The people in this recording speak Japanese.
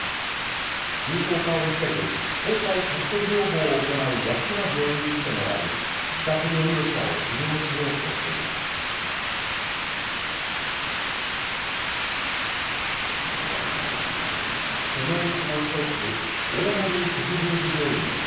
重症化を防ぐ抗体カクテル療法を行う８つの病院に来てもらい、自宅療養者を治療しようとしています。